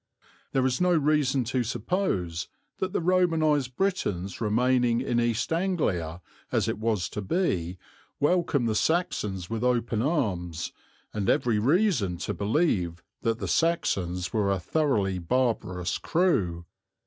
There is no reason to suppose that the Romanized Britons remaining in East Anglia, as it was to be, welcomed the Saxons with open arms, and every reason to believe that the Saxons were a thoroughly barbarous crew.